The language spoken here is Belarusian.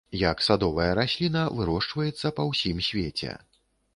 Як садовая расліна вырошчваецца па ўсім свеце.